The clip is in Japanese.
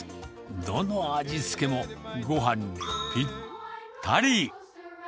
どの味付けも、ごはんにぴったり。